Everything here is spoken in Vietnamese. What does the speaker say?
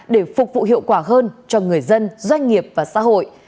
để phục vụ hiệu quả hơn cho người dân doanh nghiệp và xã hội